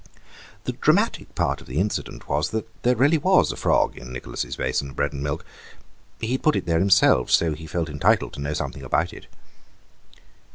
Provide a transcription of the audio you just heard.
The dramatic part of the incident was that there really was a frog in Nicholas' basin of bread and milk; he had put it there himself, so he felt entitled to know something about it.